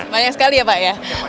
banyak sekali ya pak ya